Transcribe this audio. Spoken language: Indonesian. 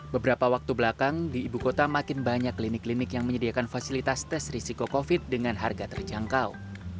beberapa waktu belakang di ibu kota makin banyak klinik klinik yang menyediakan fasilitas tes risiko covid dengan harga terjangkau